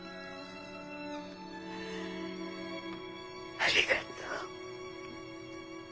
ありがとう。